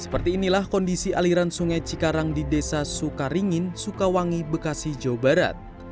seperti inilah kondisi aliran sungai cikarang di desa sukaringin sukawangi bekasi jawa barat